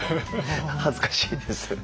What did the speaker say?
恥ずかしいです。